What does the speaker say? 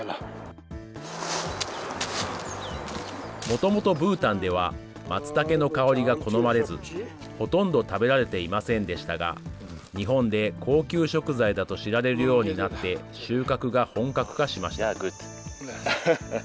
もともとブータンでは、マツタケの香りが好まれず、ほとんど食べられていませんでしたが、日本で高級食材だと知られるようになって、収穫が本格化しました。